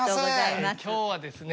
今日はですね